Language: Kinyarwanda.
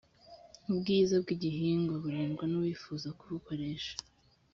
ubwiza bw’ igihingwa burindwa n ‘uwifuza kubukoresha.